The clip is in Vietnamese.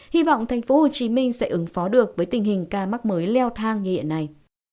hy vọng tp hcm sẽ ứng phó được với tình hình ca mắc mới leo thang như hiện nay